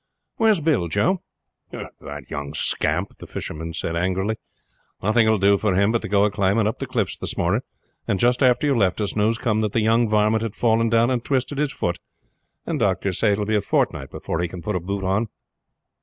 "Where's Bill, Joe?" "The young scamp!" the fisherman said angrily. "Nothing will do for him but to go a climbing up the cliffs this morning; and just after you left us, news comes that the young varmint had fallen down and twisted his foot, and doctor says it will be a fortnight afore he can put a boot on.